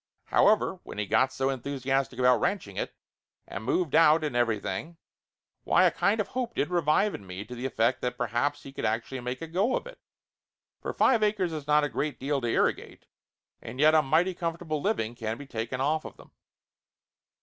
However, when he got so enthusiastic about ranching it, and moved out and everything, why a kind of hope did revive in me to the effect that per haps he could actually make a go of it, for five acres is not a great deal to irrigate, and yet a mighty com fortable living can be taken off of them.